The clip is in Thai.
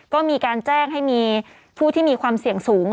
ก็มีการแจ้งให้มีผู้ที่มีความเสี่ยงสูง